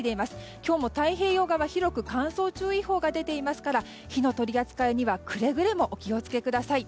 今日も太平洋側広く乾燥注意報が出ていますから火の取り扱いにはくれぐれもお気を付けください。